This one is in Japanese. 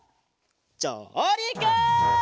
じょうりく！